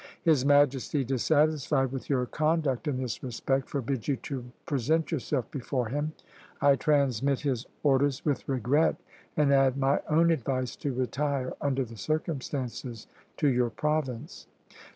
His Majesty, dissatisfied with your conduct in this respect, forbids you to present yourself before him. I transmit his orders with regret, and add my own advice to retire, under the circumstances, to your province."